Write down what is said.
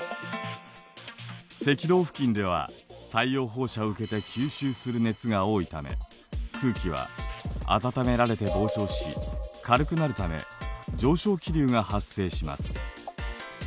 赤道付近では太陽放射を受けて吸収する熱が多いため空気は暖められて膨張し軽くなるため上昇気流が発生します。